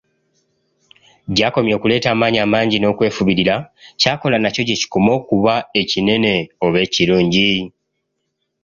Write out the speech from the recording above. Gy'akomya okuleeta amaanyi amangi n'okwefuubirira, ky'akola nakyo gye kikoma okuba ekinene oba ekirungi.